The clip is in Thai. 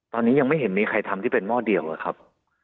ตอนนี้ยังไม่เห็นมีใครทำที่เป็นหม้อเดียวเลยครับ